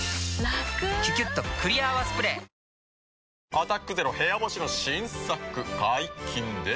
「アタックＺＥＲＯ部屋干し」の新作解禁です。